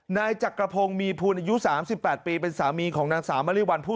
นายจักรพงศ์มีภูลอายุ๓๘ปีเป็นสามีของนางสาวมริวัลผู้